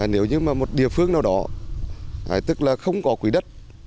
nếu như mà một địa phương nào đó tức là không có quỹ đất